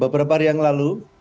beberapa hari yang lalu